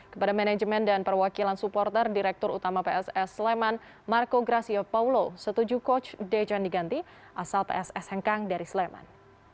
kepada manajemen dan perwakilan supporter direktur utama pss sleman marco gracio paulo setuju coach dejan diganti asal pss hengkang dari sleman